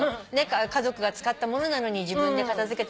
家族が使ったものなのに自分で片付けたり。